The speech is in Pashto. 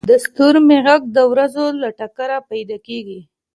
• د ستورمې ږغ د ورېځو له ټکره پیدا کېږي.